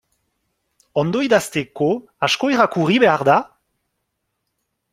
Ondo idazteko, asko irakurri behar da?